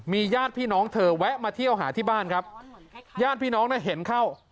ญาติพี่น้องเธอแวะมาเที่ยวหาที่บ้านครับญาติพี่น้องน่ะเห็นเข้า